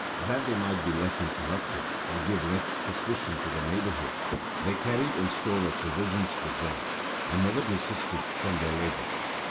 That they might be less interrupted, and give less suspicion to the neighborhood, they carried in store of provisions with them, and never desisted from their labor.